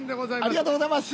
◆ありがとうございます！